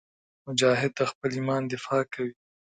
مجاهد د خپل ایمان دفاع کوي.